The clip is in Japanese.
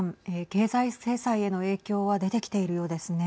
経済制裁への影響は出てきているようですね。